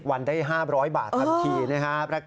วันได้๕๐๐บาททันทีนะครับ